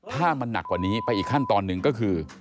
ถ้ามันหนักกว่านี้ไปอีกขั้นตอนหนึ่งก็คือ